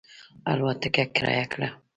الوتکه کرایه کړه.